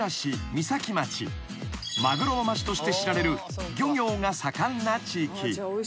［マグロの町として知られる漁業が盛んな地域］